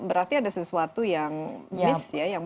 ini berarti ada sesuatu yang miss ya yang perlu lebih diperhatikan